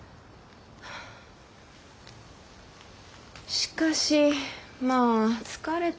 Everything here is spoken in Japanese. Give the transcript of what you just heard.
しかしまぁ疲れた。